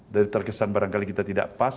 dari terkesan barangkali kita tidak pas